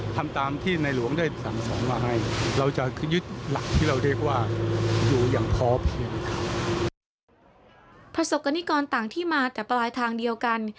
ประสบนิกรต่างที่มาแต่ปลายทางเดียวกัน